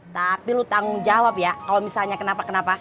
tapi lu tanggung jawab ya kalau misalnya kenapa kenapa